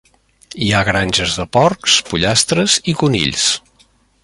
Hi ha granges de porcs, pollastres i conills.